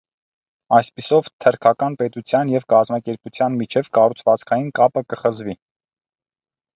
Այսպիսով, թրքական պետութեան եւ կազմակերպութեան միջեւ կառուցուածքային կապը կը խզուի։